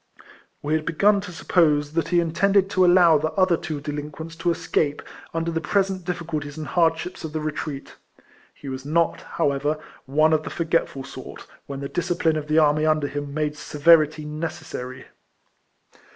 We had begun to suppose that he intended to allow the other two delinquents to escape, under the present difficulties and hardships of the retreat. He was not, how ever, one of the forgetful sort, when the discipline of the army under him made severity necessary.